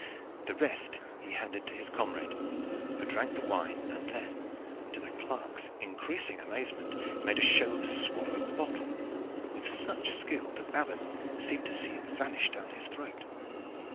The rest he handed to his comrade, who drank the wine, and then, to the clerk's increasing amazement, made a show of swallowing the bottle, with such skill that Alleyne seemed to see it vanish down his throat.